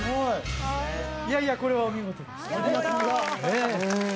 いやいやこれはお見事でしたねねえ